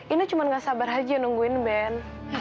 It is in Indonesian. ino cuma gak sabar aja nungguin ben